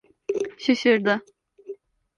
Şaşırdı...